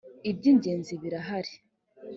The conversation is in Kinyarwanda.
ibyingenzi birahari.